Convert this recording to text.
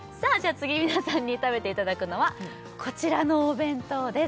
次皆さんに食べていただくのはこちらのお弁当です